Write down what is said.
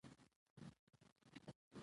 د قانون حاکمیت د ټولنې د نظم تضمین کوي